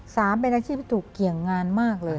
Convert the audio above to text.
สามเป็มันอาชีพตัวเกี่ยงงานมากเลย